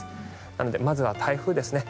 なので、まずは台風ですね。